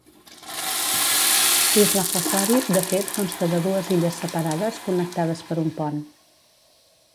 Pihlajasaari de fet consta de dues illes separades connectades per un pont.